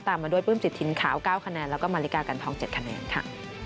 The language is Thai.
มาด้วยปลื้มจิตถิ่นขาว๙คะแนนแล้วก็มาริกากันทอง๗คะแนนค่ะ